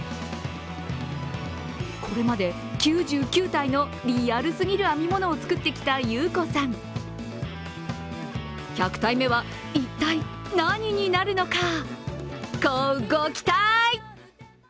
これまで９９体のリアルすぎる編み物を作ってきたＹＵＫＯさん、１００体目は一体、何になるのか、こうご期待。